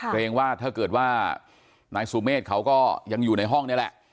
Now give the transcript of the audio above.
เกรงว่าถ้าเกิดว่านายสุเมฆเขาก็ยังอยู่ในห้องนี่แหละ